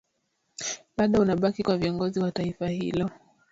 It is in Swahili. bado unabaki kwa viongozi wa taifa hilo